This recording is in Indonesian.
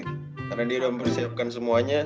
karena dia udah mempersiapkan semuanya